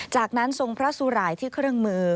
จากนั้นทรงพระสุรายที่เครื่องมือ